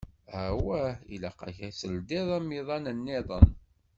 Awah, ilaq-ak ad teldiḍ amiḍan-iḍen.